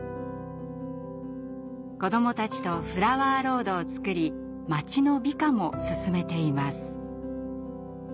子どもたちとフラワーロードを作り町の美化も進めています。